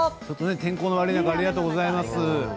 天候の悪い中ありがとうございます。